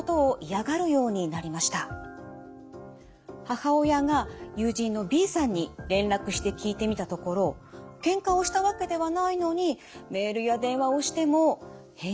母親が友人のＢさんに連絡して聞いてみたところけんかをしたわけではないのにメールや電話をしても返事をくれないそうです。